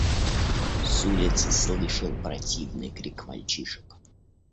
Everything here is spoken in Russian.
С улицы слышен противный крик мальчишек.